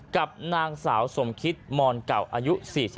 กับนางสาวสมคิตมอนเก่าอายุ๔๒